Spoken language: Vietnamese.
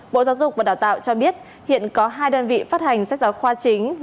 bộ giáo dục và đào tạo cho biết hiện có hai đơn vị phát hành sách giáo khoa chính